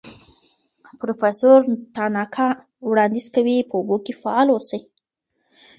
پروفیسور تاناکا وړاندیز کوي په اوبو کې فعال اوسئ.